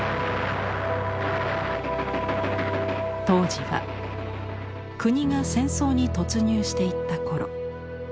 当時は国が戦争に突入していった頃。